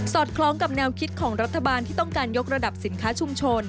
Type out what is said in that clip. คล้องกับแนวคิดของรัฐบาลที่ต้องการยกระดับสินค้าชุมชน